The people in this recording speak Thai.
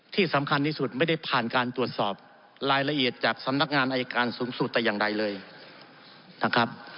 ที่สำคัญที่สุดไม่ได้ผ่านการตรวจสอบรายละเอียดจากสำนักงานอายการสูงสุดแต่อย่างใดเลยนะครับ